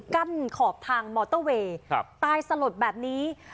อยู่กั้นขอบทางมอเตอร์เวย์ครับตายสลดแบบนี้